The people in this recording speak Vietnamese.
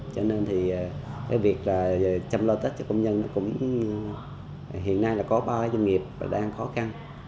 cho nên thì cái việc là chăm lo tết cho công nhân nó cũng hiện nay là có ba doanh nghiệp đang khó khăn